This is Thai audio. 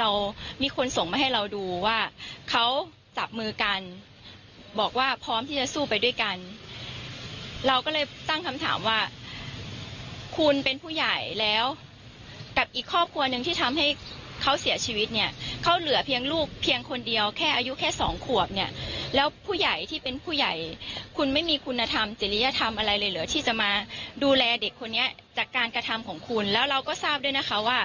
เรามีคนส่งมาให้เราดูว่าเขาจับมือกันบอกว่าพร้อมที่จะสู้ไปด้วยกันเราก็เลยตั้งคำถามว่าคุณเป็นผู้ใหญ่แล้วกับอีกครอบครัวหนึ่งที่ทำให้เขาเสียชีวิตเนี่ยเขาเหลือเพียงลูกเพียงคนเดียวแค่อายุแค่สองขวบเนี่ยแล้วผู้ใหญ่ที่เป็นผู้ใหญ่คุณไม่มีคุณธรรมจริยธรรมอะไรเลยเหลือที่จะมาดูแลเด็กคนนี้จากการกระทำของคุณแล้วเราก็ทราบด้วยนะคะว่า